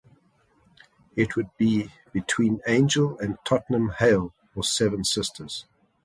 It would be between Angel and Tottenham Hale or Seven Sisters.